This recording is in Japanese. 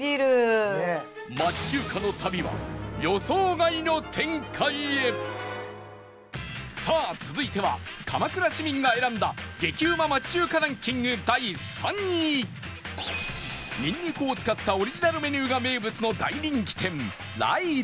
町中華の旅はさあ続いては鎌倉市民が選んだ激うま町中華ランキング第３位にんにくを使ったオリジナルメニューが名物の大人気店来来